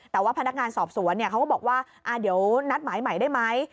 แต่ว่าพนักงานสอบสวนเขาก็บอกว่าเดี๋ยวนัดหมายใหม่ได้ไหม